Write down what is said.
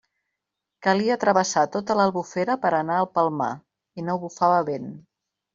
Calia travessar tota l'Albufera per a anar al Palmar, i no bufava vent.